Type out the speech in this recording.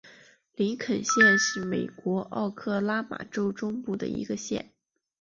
林肯县是美国奥克拉荷马州中部的一个县。